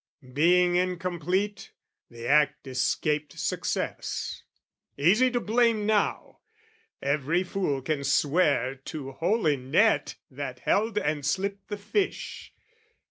Being incomplete, the act escaped success. Easy to blame now! Every fool can swear To hole in net that held and slipped the fish.